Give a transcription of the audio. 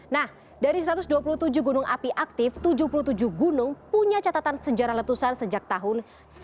nah dari satu ratus dua puluh tujuh gunung api aktif tujuh puluh tujuh gunung punya catatan sejarah letusan sejak tahun seribu sembilan ratus delapan puluh